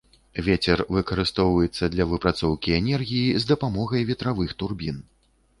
Вецер выкарыстоўваецца для выпрацоўкі энергіі з дапамогай ветравых турбін.